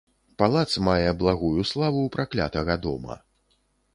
Палац мае благую славу праклятага дома.